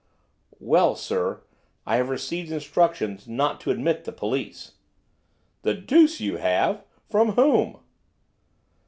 'Well, sir, I have received instructions not to admit the police.' 'The deuce you have! From whom?